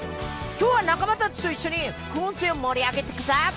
今日は仲間たちと一緒に副音声を盛り上げていくぞ！